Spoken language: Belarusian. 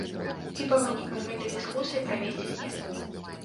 І па выніках гэтай дыскусіі правесці з'езд.